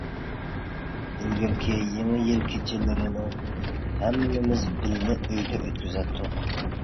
ئىلگىرىكى يېڭى يىل كېچىلىرىنى ھەممىمىز بىللە ئۆيدە ئۆتكۈزەتتۇق.